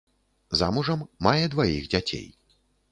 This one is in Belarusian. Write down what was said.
Замужам, мае дваіх дзяцей.